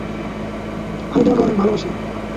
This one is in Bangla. আমি তোমাকে অনেক ভালবাসি।